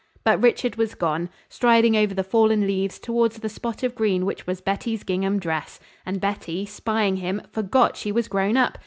But Richard was gone, striding over the fallen leaves toward the spot of green which was Betty's gingham dress. And Betty, spying him, forgot she was grown up.